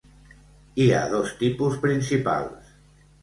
Hi ha dos tipus principals.